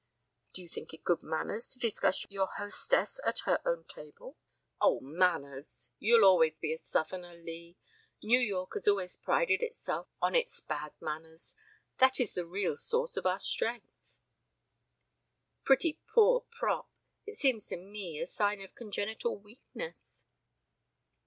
"Do you think it good manners to discuss your hostess at her own table?" "Oh, manners! You'll always be a Southerner, Lee. New York has always prided itself on its bad manners. That is the real source of our strength." "Pretty poor prop. It seems to me a sign of congenital weakness."